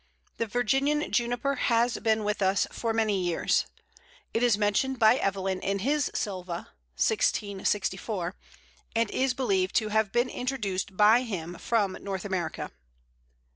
The Virginian Juniper has been with us for many years. It is mentioned by Evelyn in his "Sylva" (1664), and is believed to have been introduced by him from North America.